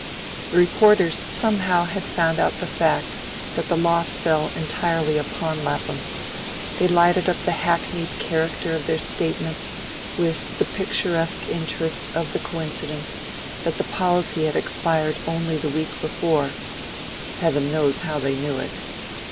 The reporters somehow had found out the fact that the loss fell entirely upon Lapham; they lighted up the hackneyed character of their statements with the picturesque interest OF the coincidence that the policy had expired only the week before; heaven knows how they knew it.